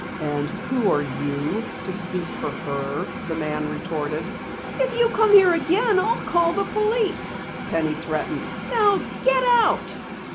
"And who are you to speak for her?" the man retorted. "If you come here again, I'll call the police," Penny threatened. "Now get out!"